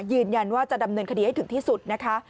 ยืนยันว่าจะดำเนินคดีให้ถึงที่สุดนะคะ